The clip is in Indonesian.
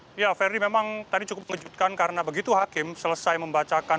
ya ferdi memang tadi cukup mengejutkan karena begitu hakim selesai membacakan